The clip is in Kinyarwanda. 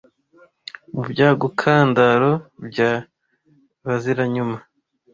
Mu Byagukandaro bya Baziranyuma